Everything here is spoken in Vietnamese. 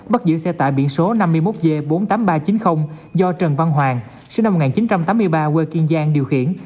bắt giữ xe tải biển số năm mươi một g bốn mươi tám nghìn ba trăm chín mươi do trần văn hoàng sinh năm một nghìn chín trăm tám mươi ba quê kiên giang điều khiển